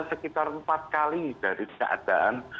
sekitar empat kali dari keadaan